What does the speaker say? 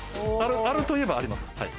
あるといえばあります。